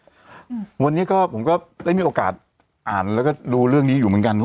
อืมวันนี้ก็ผมก็ได้มีโอกาสอ่านแล้วก็ดูเรื่องนี้อยู่เหมือนกัน